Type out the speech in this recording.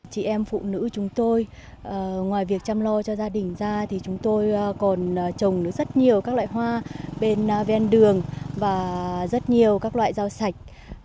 chị em phụ nữ chúng tôi ngoài việc chăm lo cho gia đình ra thì chúng tôi còn trồng rất nhiều các loại hoa bên ven đường và rất nhiều các loại rau sạch